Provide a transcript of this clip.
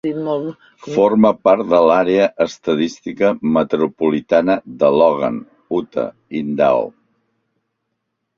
Forma part de l'Àrea Estadística Metropolitana de Logan, Utah-Idaho.